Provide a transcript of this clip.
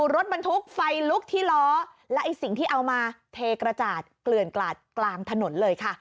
รถบรรทุกไฟลุกที่ล้อและไอ้สิ่งที่เอามาเทกระจาดเกลื่อนกลาดกลางถนนเลยค่ะ